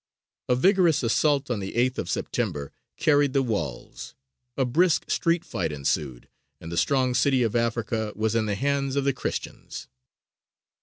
A vigorous assault on the 8th of September carried the walls, a brisk street fight ensued, and the strong city of "Africa" was in the hands of the Christians.